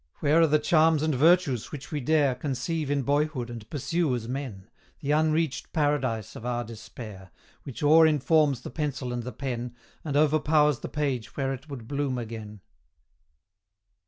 Where are the charms and virtues which we dare Conceive in boyhood and pursue as men, The unreached Paradise of our despair, Which o'er informs the pencil and the pen, And overpowers the page where it would bloom again.